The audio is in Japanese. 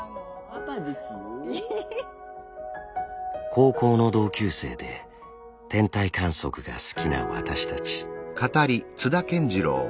高校の同級生で天体観測が好きな私たち。